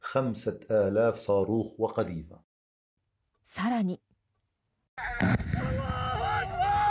更に。